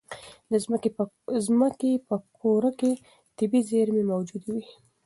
د ځمکې په کوره کې طبیعي زېرمې موجودې وي.